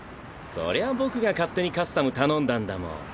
そりゃ僕が勝手にカスタム頼んだんだもん。